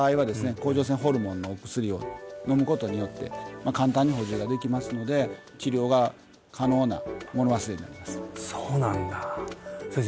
甲状腺ホルモンのお薬を飲むことによって簡単に補充ができますので治療が可能な物忘れになりますそうなんだ先生